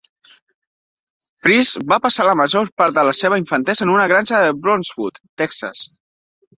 Price va passar la major part de la seva infantesa en una granja de Brownwood, Texas.